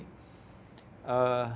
kita itu dulu